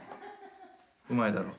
うまいだろ。